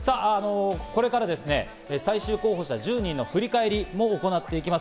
これから最終候補者１０人の振り返りも行っていきます。